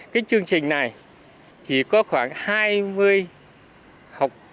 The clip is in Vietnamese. cái chương trình này chỉ có khoảng hai mươi học